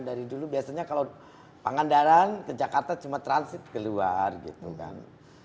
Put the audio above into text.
dari dulu biasanya kalau pangandaran ke jakarta cuma transit keluar gitu kan